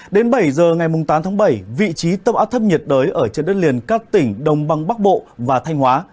đến bảy giờ ngày tám tháng bảy vị trí tâm áp thấp nhiệt đới ở trên đất liền các tỉnh đông băng bắc bộ và thanh hóa